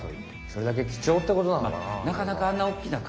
それだけきちょうってことなのかな。